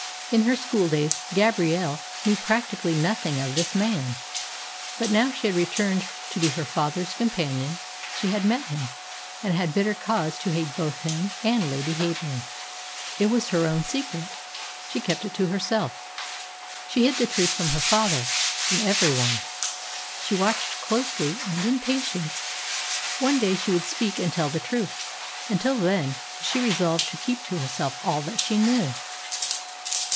In her schooldays Gabrielle knew practically nothing of this man; but now she had returned to be her father's companion she had met him, and had bitter cause to hate both him and Lady Heyburn. It was her own secret. She kept it to herself. She hid the truth from her father from every one. She watched closely and in patience. One day she would speak and tell the truth. Until then, she resolved to keep to herself all that she knew.